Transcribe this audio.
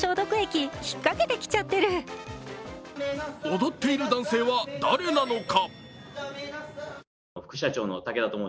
踊っている男性は誰なのか。